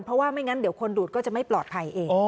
เพราะว่าไม่งั้นเดี๋ยวคนดูดก็จะไม่ปลอดภัยเอง